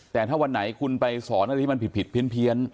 แต่ถ้าวันไหนคุณไปสอนอะไรที่มันผิดเพี้ยน